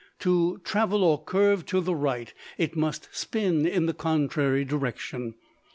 To travel or curve to the right, it must spin in the contrary direction.